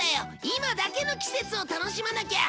今だけの季節を楽しまなきゃ！